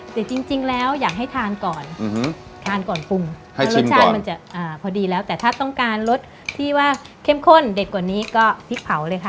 แต่จริงแล้วอยากให้ทานก่อนทานก่อนปรุงรสชาติมันจะพอดีแล้วแต่ถ้าต้องการรสที่ว่าเข้มข้นเด็กกว่านี้ก็พริกเผาเลยค่ะ